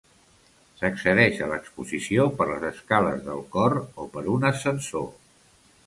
S'accedeix a l'exposició per les escales del cor o per un ascensor.